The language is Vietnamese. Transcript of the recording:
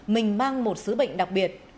mình mang một sứ bệnh đặc biệt